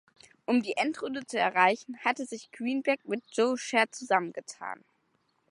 Um die Endrunde zu erreichen, hatte sich Greenberg mit Joe Scherr zusammengetan.